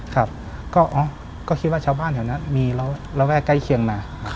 ก็คิดว่าชาวบ้านถึงมีเราระแว่ใกล้เคียงมา